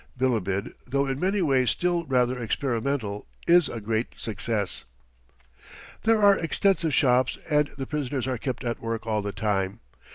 Bilibid, though in many ways still rather experimental, is a great success. There are extensive shops, and the prisoners are kept at work all the time.